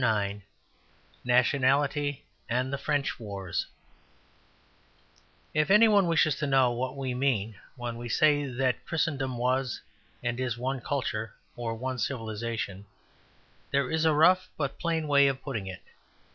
IX NATIONALITY AND THE FRENCH WARS If any one wishes to know what we mean when we say that Christendom was and is one culture, or one civilization, there is a rough but plain way of putting it.